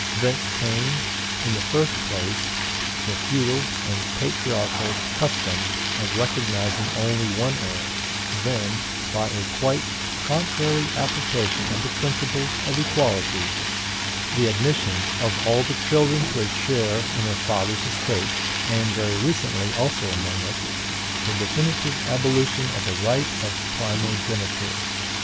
Thence came, in the first place, the feudal and patriarchal custom of recognizing only one heir; then, by a quite contrary application of the principle of equality, the admission of all the children to a share in their father's estate, and, very recently also among us, the definitive abolition of the right of primogeniture.